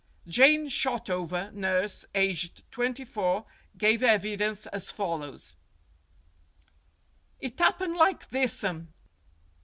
Jane Shotover, nurse, aged twenty four, gave evi dence as follows : "It 'appened like thissum.